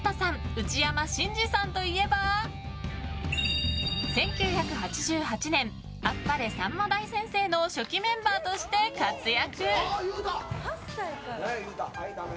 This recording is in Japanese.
内山信二さんといえば１９８８年「あっぱれさんま大先生」の初期メンバーとして活躍。